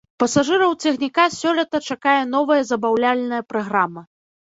Пасажыраў цягніка сёлета чакае новая забаўляльная праграма.